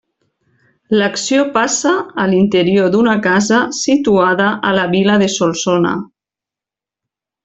L'acció passa a l'interior d'una casa situada a la vila de Solsona.